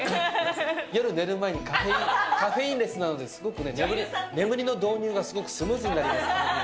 夜寝る前にカフェインレスなので、すごく眠りの導入がすごくスムーズになります。